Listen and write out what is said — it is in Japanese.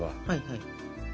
はいはい。